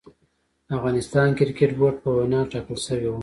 د افغانستان کريکټ بورډ په وينا ټاکل شوې وه